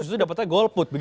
justru mendapatkan golput